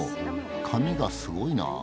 髪がすごいなあ。